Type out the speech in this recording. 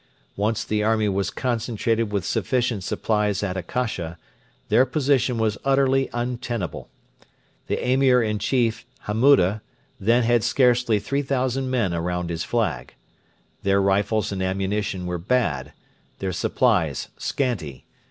Once the army was concentrated with sufficient supplies at Akasha, their position was utterly untenable. The Emir in Chief, Hammuda, then had scarcely 3,000 men around his flag. Their rifles and ammunition were bad; their supplies scanty.